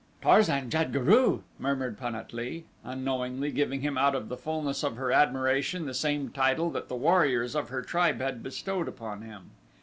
"Tarzan jad guru!" murmured Pan at lee, unknowingly giving him out of the fullness of her admiration the same title that the warriors of her tribe had bestowed upon him.